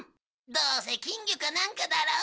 どうせ金魚かなんかだろ？